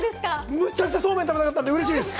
めちゃくちゃそうめん食べたかったんで、うれしいです！